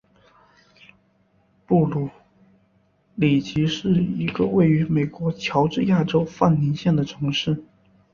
布卢里奇是一个位于美国乔治亚州范宁县的城市。